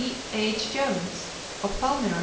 H. Jones, of Palmyra, N.